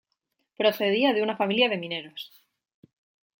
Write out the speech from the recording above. Procedía de una familia de mineros.